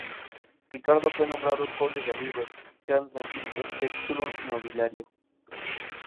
Ricardo fue nombrado Conde de Rivers, creándose así este título nobiliario.